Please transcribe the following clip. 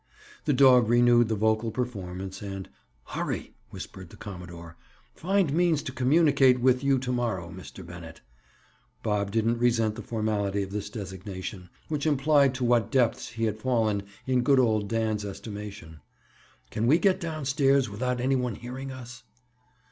The dog renewed the vocal performance, and— "Hurry," whispered the commodore. "Find means to communicate with you to morrow, Mr. Bennett." Bob didn't resent the formality of this designation, which implied to what depths he had fallen in good old Dan's estimation. "Can we get down stairs without any one hearing us?"